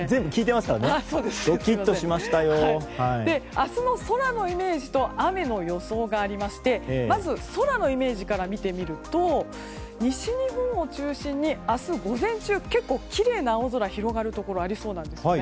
明日の空のイメージと雨の予想がありましてまず空のイメージから見てみると西日本を中心に明日午前中結構きれいな青空が広がりそうなところありそうなんですよね。